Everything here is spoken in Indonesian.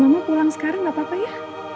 mama pulang sekarang gak apa apa ya